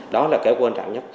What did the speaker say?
đó là cái quan trọng